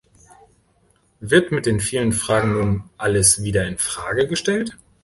Wird mit den vielen Fragen nun alles wieder in Frage gestellt?